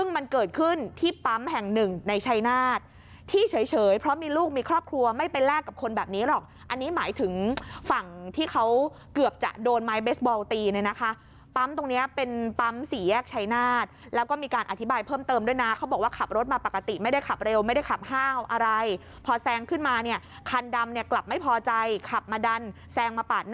มีปั๊มแห่งหนึ่งในชัยนาศที่เฉยเพราะมีลูกมีครอบครัวไม่ไปแลกกับคนแบบนี้หรอกอันนี้หมายถึงฝั่งที่เขาเกือบจะโดนไม้เบสบอลตีเลยนะคะปั๊มตรงเนี้ยเป็นปั๊มสี่แยกชัยนาศแล้วก็มีการอธิบายเพิ่มเติมด้วยน่ะเขาบอกว่าขับรถมาปกติไม่ได้ขับเร็วไม่ได้ขับห้าวอะไรพอแซงขึ้นมาเนี้ยคันดำเน